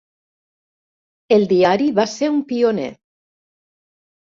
El diari va ser un pioner.